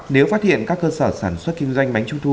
nếu phát hiện các cơ sở sản xuất kinh doanh bánh trung thu